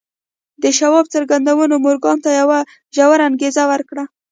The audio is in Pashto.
د شواب څرګندونو مورګان ته يوه ژوره انګېزه ورکړه.